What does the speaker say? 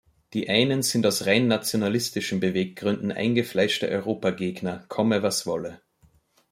Die einen sind aus rein nationalistischen Beweggründen eingefleischte Europagegner, komme was wolle.